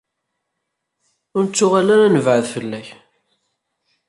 Ur nettuɣal ara ad nebɛed fell-ak.